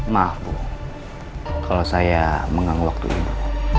maaf bu kalau saya mengang waktu ini